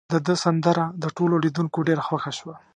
د ده سندره د ټولو لیدونکو ډیره خوښه شوه.